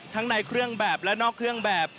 ในเครื่องแบบและนอกเครื่องแบบ